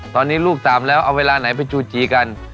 ตอนนี้ลูกสามแล้วเอาเวลาไหนไปจูจีกัน